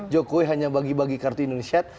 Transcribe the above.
jokowi hanya bagi bagi kartu indonesia